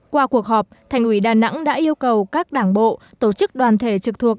qua cuộc họp thành ủy đà nẵng đã yêu cầu các đảng bộ tổ chức đoàn thể trực thuộc